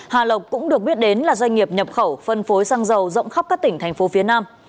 hà lộc cũng được biết đến là doanh nghiệp nhập khẩu phân phối xăng dầu rộng khắp các tỉnh thành phố phía nam